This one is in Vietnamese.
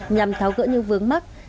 nhằm tháo gỡ những vướng mắt